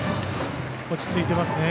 落ち着いていますね。